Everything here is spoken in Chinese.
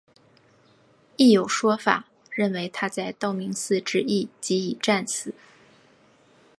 亦有说法认为他在道明寺之役即已战死。